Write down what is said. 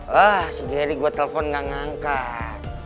wah si geri gua telepon gak ngangkat